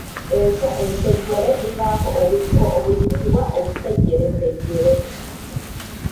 Enswa ensejjere zivaako obutiko obuyitibwa obusejjeresejjere